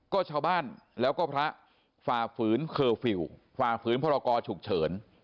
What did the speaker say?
ก็ชาวบ้านแล้วก็พระฝ่าฝืนเคอร์ฟิลล์ฝ่าฝืนพรกรฉุกเฉิน